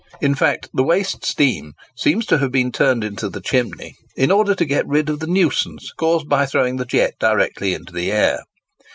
In fact, the waste steam seems to have been turned into the chimney in order to get rid of the nuisance caused by throwing the jet directly into the air.